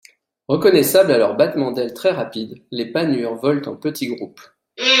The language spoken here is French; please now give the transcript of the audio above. Reconnaissables à leurs battements d'ailes très rapides, les Panures volent en petits groupes.